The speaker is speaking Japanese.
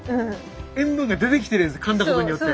塩分が出てきているかんだことによって。